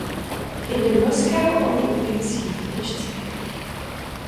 In the Moscow Olympics he finished second.